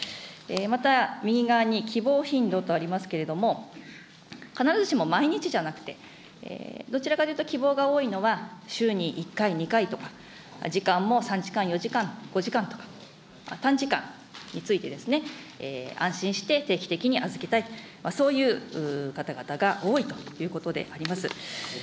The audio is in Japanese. また右側に希望頻度とありますけれども、必ずしも毎日じゃなくて、どちらかというと希望が多いのは、週に１回、２回とか、時間も３時間、４時間、５時間とか、短時間について、安心して定期的に預けたい、そういう方々が多いということであります。